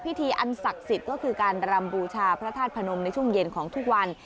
อันศักดิ์สิทธิ์ก็คือการรำบูชาพระธาตุพนมในช่วงเย็นของทุกวัน